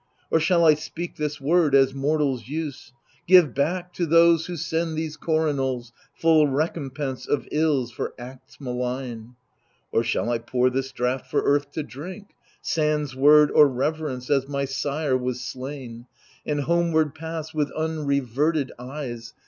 Or shall I speak this word, as mortals use — Give back^ to those who send these coronals^ Full recompense — of ills for acts malign f Or shall I pour this draught for Earth to drink, Sans word or reverence, as my sire was slain, And homeward pass with unreverted eyes.